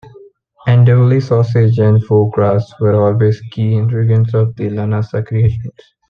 Andouille sausage and Foie Gras were always key ingredients of the LaNasa creations.